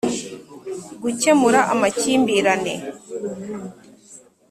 gukemura amakimbirane